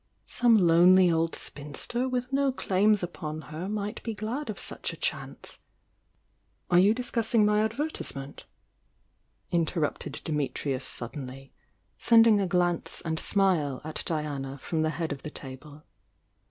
Some lonely old spinster with no claims upon her might be glad of such a chance ".„„.. "Are you discussing my advertisement? mter rupted Dimitrius suddenly, sending a glance and smile at Diana from the head of the table.